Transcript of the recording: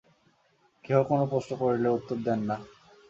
কেহ কোন প্রশ্ন করিলে উত্তর দেন না।